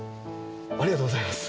ありがとうございます。